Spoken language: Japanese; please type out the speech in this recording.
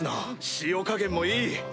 塩加減もいい！